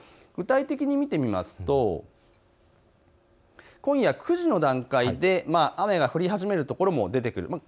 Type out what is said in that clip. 具体的に見てみますと今夜９時の段階で雨が降り始めるところも出てくる。